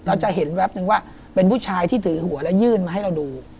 เราจะเห็นแวบนึงว่าเป็นผู้ชายที่ถือหัวแล้วยื่นมาให้เราดู